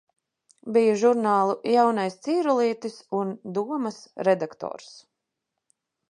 "Bija žurnālu "Jaunais Cīrulītis" un "Domas" redaktors."